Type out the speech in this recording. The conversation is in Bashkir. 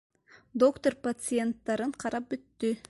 Доктор пациенттарын ҡарап бөттө.